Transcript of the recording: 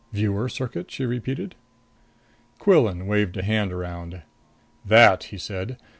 "Viewer circuit?" she repeated. Quillan waved a hand around. "That," he said.